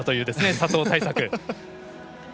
佐藤対策を。